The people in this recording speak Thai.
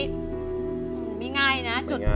มันไม่ง่ายนะจุดอ๊ะจุดแอ๊ะ